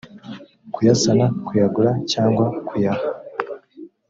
kuyasana kuyagura cyangwa kuyaha